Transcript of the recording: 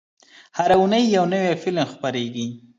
هره اونۍ یو نوی فلم خپرېږي.